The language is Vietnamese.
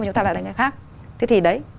mà chúng ta là người khác thế thì đấy